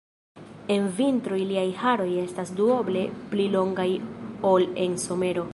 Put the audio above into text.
En vintro iliaj haroj estas duoble pli longaj ol en somero.